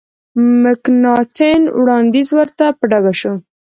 مکناټن وړاندیز ورته په ډاګه شو.